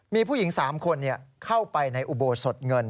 มีผู้หญิง๓คนเข้าไปในอุโบสถเงิน